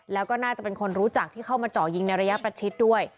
แล้วก็น่าจะเป็นคนรู้จักที่เข้ามาเจาะยิงในระยะประชิดด้วย